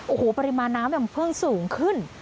โอ้โหปริมาณน้ำแบบพึ่งสูงขึ้น